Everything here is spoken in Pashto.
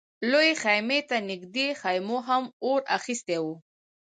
لويې خيمې ته نږدې خيمو هم اور اخيستی و.